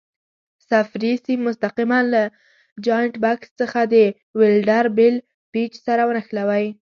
صفري سیم مستقیماً له جاینټ بکس څخه د ولډر بل پېچ سره ونښلوئ.